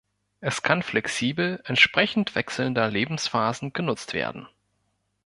Es kann flexibel entsprechend wechselnder Lebensphasen genutzt werden.